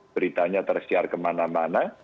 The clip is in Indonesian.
beritanya tersiar kemana mana